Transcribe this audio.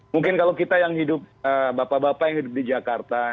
mungkin kalau kita yang hidup bapak bapak yang hidup di jakarta